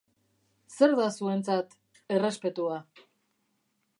Zer da zuentzat errespetua?